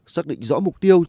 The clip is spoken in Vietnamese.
xác định rõ mục tiêu